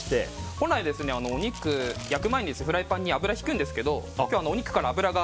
本来、お肉を焼く前にフライパンに油をひくんですけど今日はお肉から油が